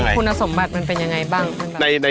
คุณสมบัติมันเป็นยังไงบ้าง